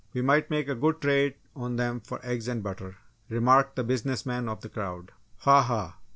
"We might make a good trade on them for eggs and butter!" remarked the business man of the crowd. "Ha, ha!